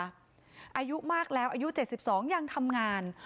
อายุมากแล้วอายุ๗๒ยังทำงาน